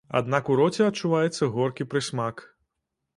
Аднак у роце адчуваецца горкі прысмак.